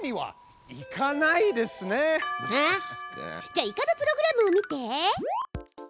じゃあイカのプログラムを見て！